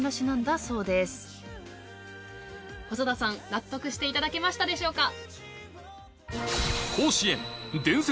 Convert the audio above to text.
細田さん納得していただけましたでしょうか？